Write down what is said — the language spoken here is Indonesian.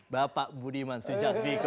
bapak budiman sujatmiko